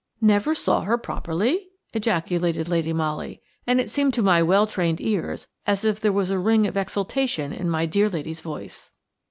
"Never saw her properly?" ejaculated Lady Molly, and it seemed to my well trained ears as if there was a ring of exultation in my dear lady's voice.